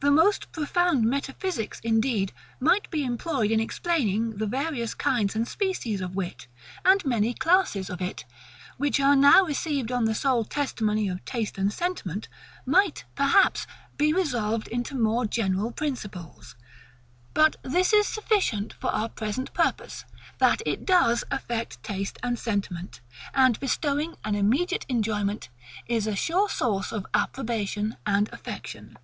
The most profound metaphysics, indeed, might be employed in explaining the various kinds and species of wit; and many classes of it, which are now received on the sole testimony of taste and sentiment, might, perhaps, be resolved into more general principles. But this is sufficient for our present purpose, that it does affect taste and sentiment, and bestowing an immediate enjoyment, is a sure source of approbation and affection.